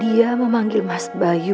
dia memanggil mas bayu